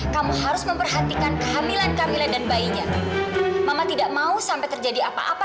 kamu harus memperhatikan kehamilan kehamilan dan bayinya mama tidak mau sampai terjadi apa apa